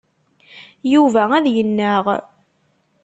Yuba ad yennaɣ.